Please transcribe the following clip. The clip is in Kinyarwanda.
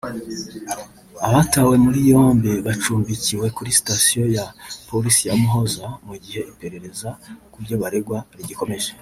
Abatawe muri yombi bacumbikiwe kuri Sitasiyo ya Polisi ya Muhoza mu gihe iperereza ku byo baregwa rigikomeje